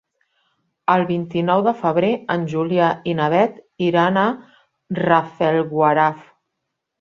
El vint-i-nou de febrer en Julià i na Beth iran a Rafelguaraf.